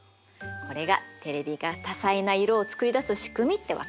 これがテレビが多彩な色を作り出す仕組みってわけ。